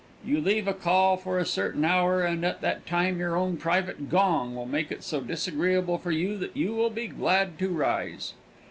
You leave a call for a certain hour, and at that time your own private gong will make it so disagreeable for you that you will be glad to rise.